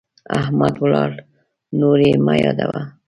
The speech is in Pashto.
احمد ولاړ، نور يې مه يادوه.